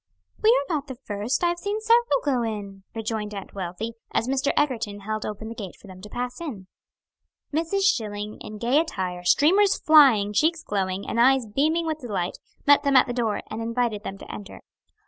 "We are not the first, I have seen several go in," rejoined Aunt Wealthy, as Mr. Egerton held open the gate for them to pass in. Mrs. Schilling in gay attire, streamers flying, cheeks glowing, and eyes beaming with delight, met them at the door, and invited them to enter.